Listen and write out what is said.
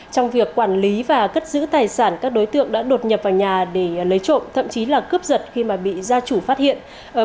trong việc quản lý và cất giữ tài sản các đối tượng đã đột nhập vào nhà để lấy trộm thậm chí là cướp giật khi mà bị gia chủ phát hiện